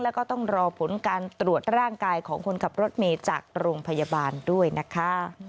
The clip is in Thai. แล้วก็ต้องรอผลการตรวจร่างกายของคนขับรถเมย์จากโรงพยาบาลด้วยนะคะ